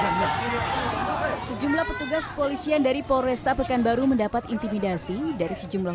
hai sejumlah petugas polisi yang dari polresta pekanbaru mendapat intimidasi dari sejumlah